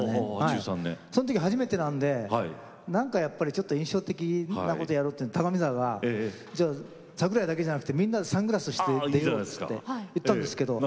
その時初めてなんでなんか印象的なことやろうって高見沢が桜井だけじゃなくてみんなでサングラスして出ようっつっていったんですけど。